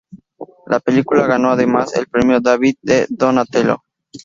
La película ganó, además, el premio David de Donatello.